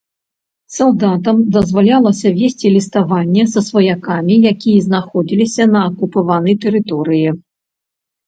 Салдатам дазвалялася весці ліставанне са сваякамі, якія знаходзіліся на акупаванай тэрыторыі.